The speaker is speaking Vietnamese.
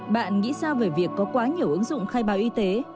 bạn nghĩ sao về việc có quá nhiều ứng dụng khai báo y tế